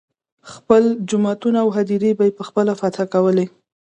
خپل جوماتونه او هدیرې یې په خپله فتحه کولې.